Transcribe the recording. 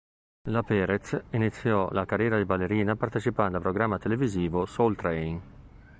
La Perez iniziò la carriera di ballerina partecipando al programma televisivo "Soul Train".